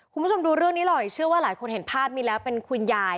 คุณผู้ชมดูเรื่องนี้หน่อยเชื่อว่าหลายคนเห็นภาพนี้แล้วเป็นคุณยาย